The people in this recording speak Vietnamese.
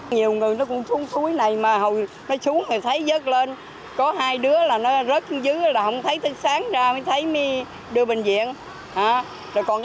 nhiều người nó cũng xuống túi này mà hồi nó xuống thì thấy rớt lên có hai đứa là nó rớt xuống dưới là không thấy sáng ra mới thấy đi đưa bệnh viện